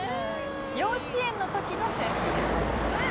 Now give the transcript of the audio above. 幼稚園の時の制服です。